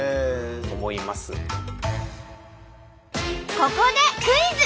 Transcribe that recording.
ここでクイズ！